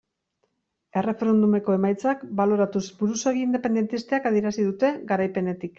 Erreferendumeko emaitzak baloratuz buruzagi independentistek adierazi dute, garaipenetik.